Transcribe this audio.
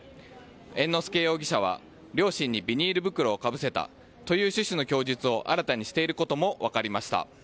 猿之助容疑者は、両親にビニール袋をかぶせたという趣旨の供述を新たにしていることも分かりました。